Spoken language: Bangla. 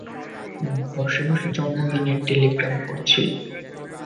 বসে বসে জন্মদিনের টেলিগ্রাম পড়ছিল।